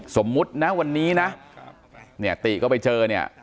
สมมุตินะวันนี้นะเนี่ยติก็ไปเจอเนี่ย